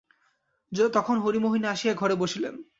তখন হরিমোহিনী আসিয়া ঘরে বসিলেন।